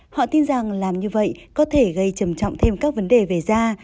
họ tin rằng làm như vậy có thể gây trầm trọng thêm các vấn đề về da